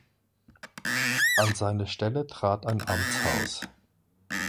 An seine Stelle trat ein Amtshaus.